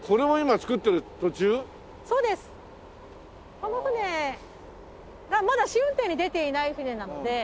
この船はまだ試運転に出てない船なので。